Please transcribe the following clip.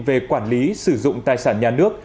về quản lý sử dụng tài sản nhà nước